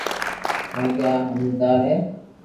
ڪونڪھ آ ھمجدار ھي